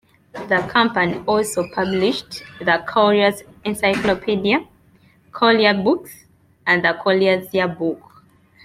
The company also published the "Collier's Encyclopedia", Collier Books and the "Collier's Year Book".